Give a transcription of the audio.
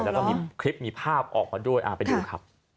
แล้วก็มีคลิปมีภาพออกมาด้วยไปดูครับ